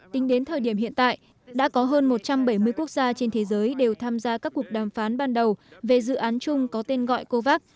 tính đến thời điểm hiện tại đã có hơn một trăm bảy mươi quốc gia trên thế giới đều tham gia các cuộc đàm phán ban đầu về dự án chung có tên gọi covax